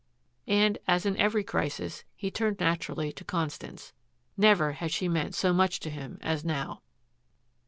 And, as in every crisis, he turned naturally to Constance. Never had she meant so much to him as now.